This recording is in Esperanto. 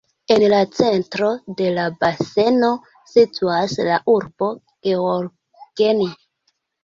En la centro de la baseno situas la urbo Gheorgheni.